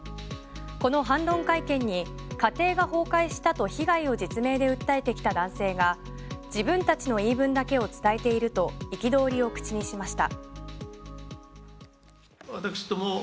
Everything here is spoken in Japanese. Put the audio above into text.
この反論会見に家庭が崩壊したと被害を実名で訴えてきた男性が自分たちの言い分だけを伝えていると憤りを口にしました。